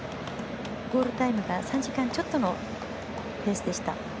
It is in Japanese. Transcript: ゴールタイムが３時間ちょっとのペースでした。